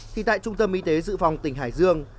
thì tại trung tâm y tế dự phòng tỉnh hải dương